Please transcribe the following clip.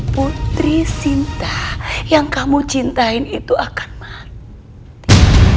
putri sinta yang kamu cintai itu akan mati